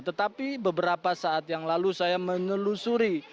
tetapi beberapa saat yang lalu saya menelusuri